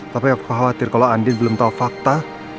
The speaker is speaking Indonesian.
tapi aku khawatir kalau andi belum tahu fakta